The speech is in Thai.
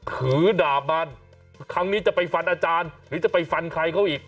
ถือดาบมันครั้งนี้จะไปฟันอาจารย์หรือจะไปฟันใครเขาอีก